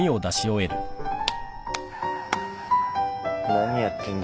何やってんだ？